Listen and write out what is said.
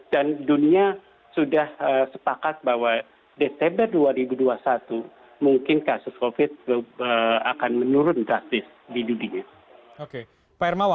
dan dunia sudah sepakat bahwa desember dua ribu dua puluh satu mungkin kasus covid akan menurun drastis di dunia